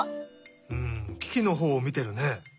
うんキキのほうをみてるね。